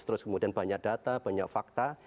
terus kemudian banyak data banyak fakta